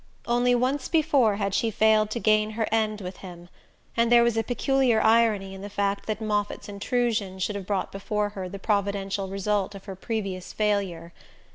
Only once before had she failed to gain her end with him and there was a peculiar irony in the fact that Moffatt's intrusion should have brought before her the providential result of her previous failure.